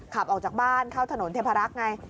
ขับออกจากบ้านเข้าถนนเทพรักษ์ไง